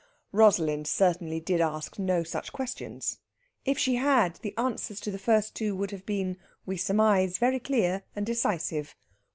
Rosalind certainly did ask no such questions. If she had, the answers to the first two would have been, we surmise, very clear and decisive.